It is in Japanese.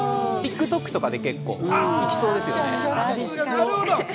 ＴｉｋＴｏｋとかで結構行きそうですよね。